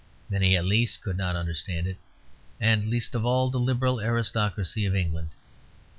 Many, at least, could not understand it, and least of all the liberal aristocracy of England.